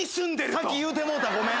先言うてもうたごめん。